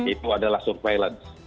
itu adalah surveillance